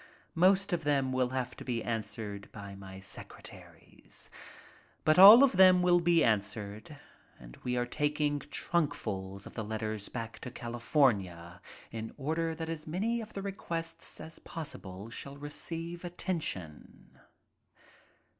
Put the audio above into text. Most of them will have to be answered by my sec retaries, but all of them will be answered, and we are taking trunkfuls of the letters back to California in order that as many of the requests as possible shall receive attention.